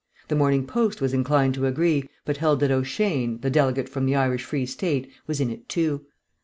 The Morning Post was inclined to agree, but held that O'Shane, the delegate from the Irish Free State, was in it too.